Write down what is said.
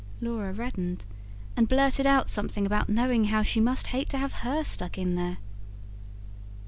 Laura reddened, and blurted out something about knowing how she must hate to have HER stuck in there.